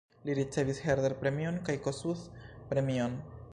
Li ricevis Herder-premion kaj Kossuth-premion.